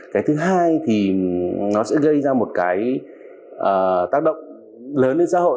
cái thứ hai thì nó sẽ gây ra một cái tác động lớn lên xã hội